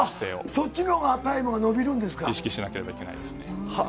そっちのがタイムが伸びるん意識しなければいけないです